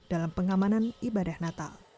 dalam pengamanan ibadah natal